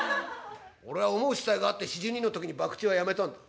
「俺は思う子細があって４２の時に博打はやめたんだ」。